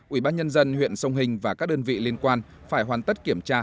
ủy ban nhân dân huyện sông hình và các đơn vị liên quan phải hoàn tất kiểm tra